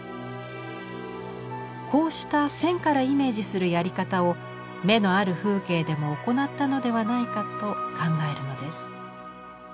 こうした線からイメージするやり方を「眼のある風景」でも行ったのではないかと考えるのです。